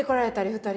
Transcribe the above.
２人。